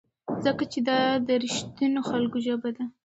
ځکه چې دا د رښتینو خلکو ژبه ده.